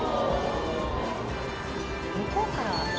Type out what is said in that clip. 向こうから。